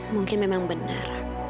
mungkin memang benar